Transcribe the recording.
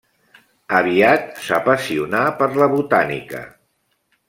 Aviat s'apassionà per la botànica.